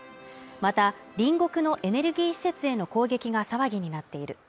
また隣国のエネルギー施設への攻撃が騒ぎになっている